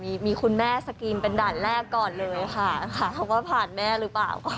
มีมีคุณแม่สกรีนเป็นด่านแรกก่อนเลยค่ะค่ะเขาก็ผ่านแม่หรือเปล่า